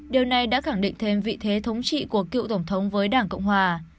điều này đã khẳng định thêm vị thế thống trị của cựu tổng thống với đảng cộng hòa